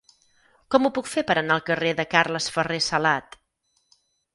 Com ho puc fer per anar al carrer de Carles Ferrer Salat?